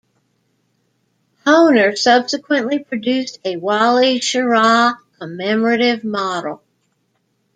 Hohner subsequently produced a "Wally Schirra" commemorative model.